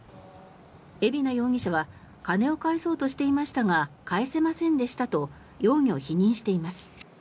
海老名容疑者は金を返そうとしていましたが返せませんでしたと容疑を否認しています。